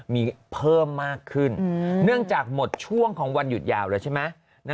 มีเพิ่มมากขึ้นเนื่องจากหมดช่วงของวันหยุดยาวแล้วใช่ไหม